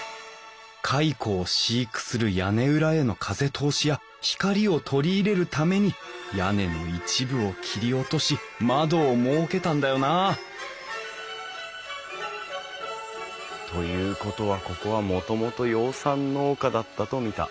蚕を飼育する屋根裏への風通しや光を取り入れるために屋根の一部を切り落とし窓を設けたんだよなあということはここはもともと養蚕農家だったと見た。